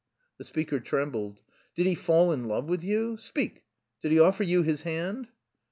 The speaker trembled. "Did he fall in love with you? Speak! Did he offer you his hand?"